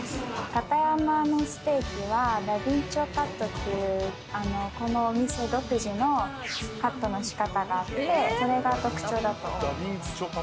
片山のステーキは駄敏丁カットというこのお店独自のカットの仕方があって、それが特徴だと思います。